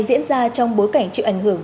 diễn ra trong bối cảnh chịu ảnh hưởng